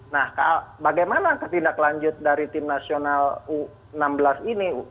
nah bagaimana ketindaklanjut dari tim nasional u enam belas ini